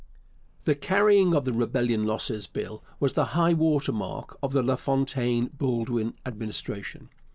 The carrying of the Rebellion Losses Bill was the high water mark of the LaFontaine Baldwin Administration.